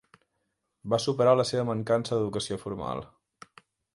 Va superar la seva mancança d'educació formal.